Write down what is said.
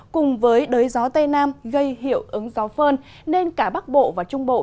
cùng với đới gió tây nam gây hiệu ứng gió phơn nên cả bắc bộ và trung bộ